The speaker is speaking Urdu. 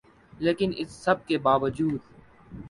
لیکن اس سب کے باوجود